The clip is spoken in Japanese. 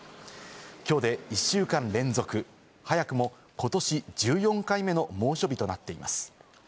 きょうで１週間連続、早くもことし１４回目の猛暑日となっています。